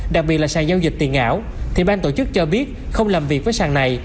đặc biệt là sàn giao dịch tiền ảo thì bang tổ chức cho biết không làm việc với sàn này